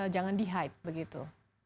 jangan di hide begitu